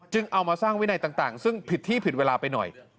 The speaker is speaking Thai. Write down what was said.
เอามาสร้างวินัยต่างซึ่งผิดที่ผิดเวลาไปหน่อย